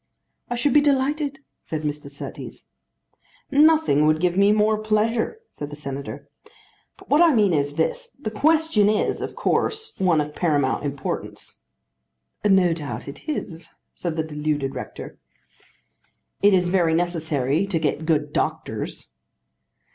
"I should be delighted," said Mr. Surtees. "Nothing would give me more pleasure," said the Senator; "but what I mean is this; the question is, of course, one of paramount importance." "No doubt it is," said the deluded rector. "It is very necessary to get good doctors."